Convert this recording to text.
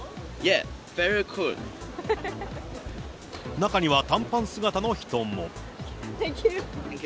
中には短パン姿の人も。